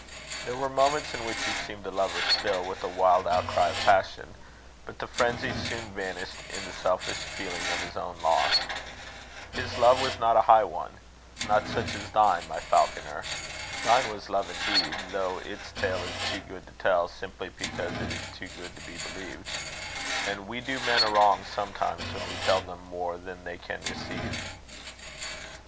There were moments in which he seemed to love her still with a wild outcry of passion; but the frenzy soon vanished in the selfish feeling of his own loss. His love was not a high one not such as thine, my Falconer. Thine was love indeed; though its tale is too good to tell, simply because it is too good to be believed; and we do men a wrong sometimes when we tell them more than they can receive.